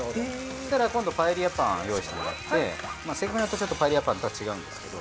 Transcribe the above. そうしたら今度パエリアパン用意してもらって正確にはパエリアパンとは違うんですけど。